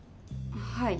はい。